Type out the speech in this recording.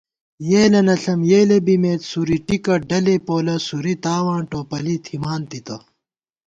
یېلَنہ ݪم یېلے بِمېت سُورِیٹِکہ ڈلے پولہ سوری تاواں ٹوپَلی تھِمان تِتہ